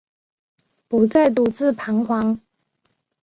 不再独自徬惶